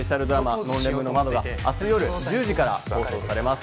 『ノンレムの窓』が明日夜１０時から放送されます。